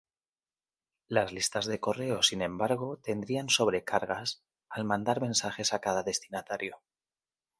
Las listas de correo sin embargo tendrían sobrecargas, al mandar mensajes a cada destinatario.